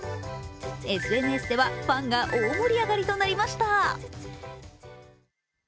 ＳＮＳではファンが大盛り上がりとなりました。